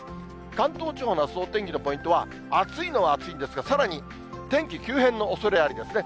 関東地方のあすのお天気のポイントは、暑いのは暑いんですが、さらに天気急変のおそれありですね。